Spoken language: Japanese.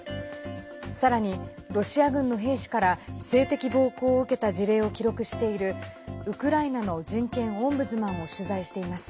さらに、ロシア軍の兵士から性的暴行を受けた事例を記録しているウクライナの人権オンブズマンを取材しています。